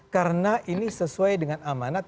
karena ini sesuai dengan amanat